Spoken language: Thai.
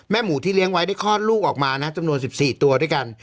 หมูที่เลี้ยงไว้ได้คลอดลูกออกมานะจำนวน๑๔ตัวด้วยกัน